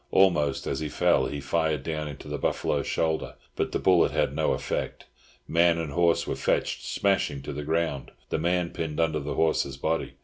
Almost as he fell he fired down into the buffalo's shoulder, but the bullet had no effect. Man and horse were fetched smashing to the ground, the man pinned under the horse's body.